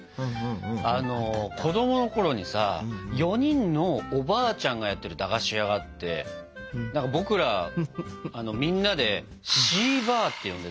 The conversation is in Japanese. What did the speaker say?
あの子供のころにさ４人のおばあちゃんがやってる駄菓子屋があって僕らみんなで「四婆」って呼んでた。